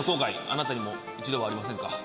あなたにも一度はありませんか？